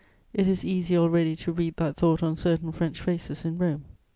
It is easy already to read that thought on certain French faces in Rome.